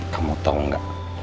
kamu tau nggak